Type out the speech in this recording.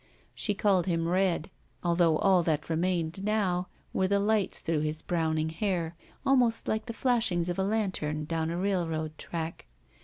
She called him Red, although all that remained now were the lights through his browning hair, almost like the flashings of a.lantem down a railroad track.